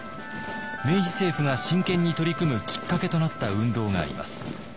明治政府が真剣に取り組むきっかけとなった運動があります。